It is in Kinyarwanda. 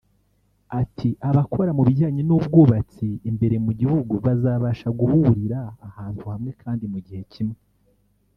Ati “Abakora mu bijyanye n’ubwubatsi imbere mu gihugu bazabasha guhurira ahantu hamwe kandi mu gihe kimwe